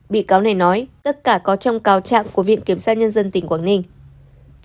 bị cáo này nói tất cả có trong cao trạng của viện kiểm sát nhân dân tỉnh quảng ninh